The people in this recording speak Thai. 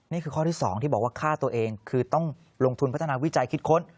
นี่คือข้อที่๒ที่บอกว่าฆ่าตัวเองคือต้องลงทุนพัฒนาวิจัยคิดค้น